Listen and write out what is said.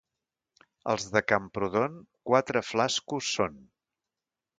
Els de Camprodon, quatre flascos són.